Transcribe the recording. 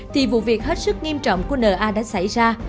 thì vụ việc hết sức nghiêm trọng của n a đã xảy ra